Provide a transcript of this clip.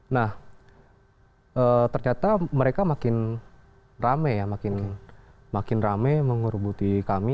nah ternyata mereka makin rame ya makin rame mengurubuti kami